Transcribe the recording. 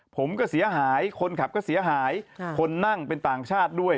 ผมก็เสียหายคนขับก็เสียหายคนนั่งเป็นต่างชาติด้วย